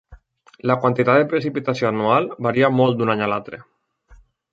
La quantitat de precipitació anual varia molt d"un any a l"altre.